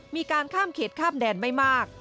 มีการข้ามเขตข้ามแดนไม่มาก